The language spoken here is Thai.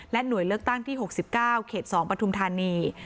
หน่วยเลือกตั้งที่๖๙เขต๒ปทุมธานี